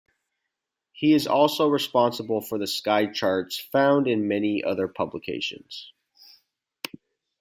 He is also responsible for the sky charts found in many other publications.